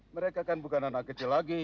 mereka kan bukan anak kecil lagi